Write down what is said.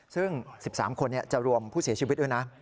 ซึ่ง๑๓คนจะรวมผู้เสียชีวิตด้วยนะ